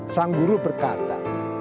sang guru berkata